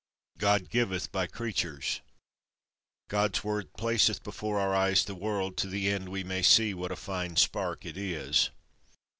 God giveth by creatures. God's Word placeth before our eyes the world, to the end we may see what a fine spark it is.